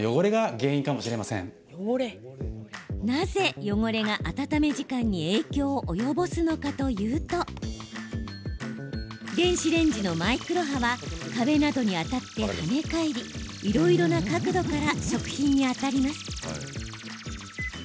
なぜ、汚れが温め時間に影響を及ぼすのかというと電子レンジのマイクロ波は壁などに当たって跳ね返りいろいろな角度から食品に当たります。